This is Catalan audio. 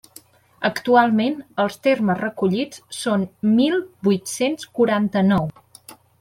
Actualment, els termes recollits són mil vuit-cents quaranta-nou.